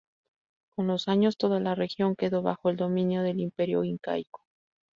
Con los años, toda la región quedó bajo el dominio del Imperio incaico.